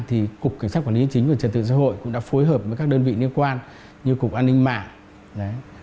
thì cục cảnh sát quản lý chính của trần tượng xã hội cũng đã phối hợp với các đơn vị liên quan như cục an ninh mạng